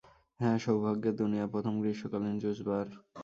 হ্যাঁ, সৌভাগ্যের দুনিয়ায় প্রথম গ্রীষ্মকালিন জুস বার।